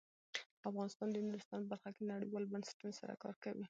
افغانستان د نورستان په برخه کې نړیوالو بنسټونو سره کار کوي.